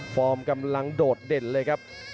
กำลังโดดเด่นเลยครับ